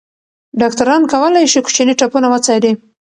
ډاکټران کولی شي کوچني ټپونه وڅاري.